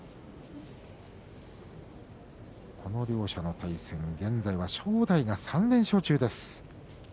この両者の対戦現在は正代が３連勝中です。